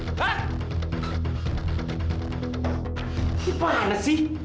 ini parahnya sih